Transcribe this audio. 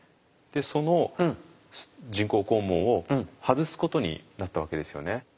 その人工肛門を外すことになったわけですよね。